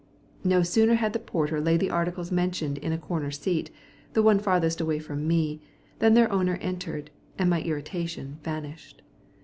No sooner had the porter laid the articles mentioned on a corner seat, the one farthest away from me, than their owner entered, and my irritation vanished.